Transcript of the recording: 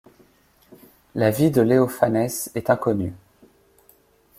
La vie de Léophanès est inconnue.